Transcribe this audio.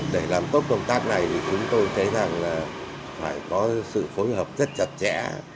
để làm tốt công tác này thì chúng tôi thấy rằng là phải có sự phối hợp rất chặt chẽ